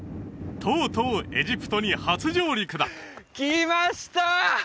とうとうエジプトに初上陸だ来ました！